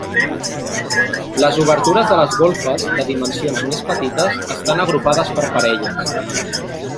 Les obertures de les golfes, de dimensions més petites, estan agrupades per parelles.